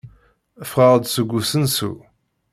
Ffɣeɣ-d seg usensu.